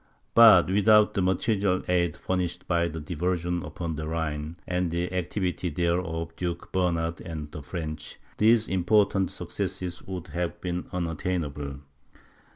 But, without the material aid furnished by the diversion upon the Rhine, and the activity there of Duke Bernard and the French, these important successes would have been unattainable.